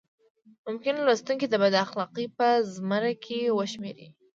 ممکن لوستونکي د بد اخلاقۍ په زمره کې وشمېري.